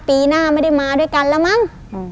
ปีหน้าไม่ได้มาด้วยกันแล้วมั้ง